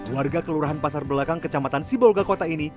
warga kelurahan pasar belakang kecamatan sibolga kota ini